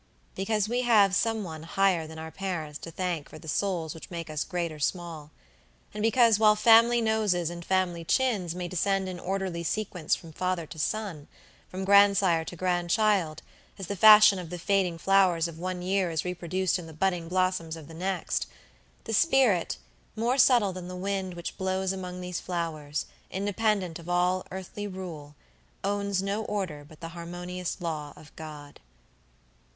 Because we have Some One higher than our parents to thank for the souls which make us great or small; and because, while family noses and family chins may descend in orderly sequence from father to son, from grandsire to grandchild, as the fashion of the fading flowers of one year is reproduced in the budding blossoms of the next, the spirit, more subtle than the wind which blows among those flowers, independent of all earthly rule, owns no order but the harmonious law of God.